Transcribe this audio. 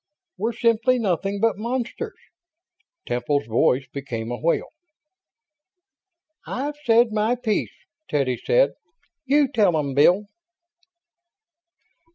We're simply nothing but monsters!" Temple's voice became a wail. "I've said my piece," Teddy said. "You tell 'em, Bill."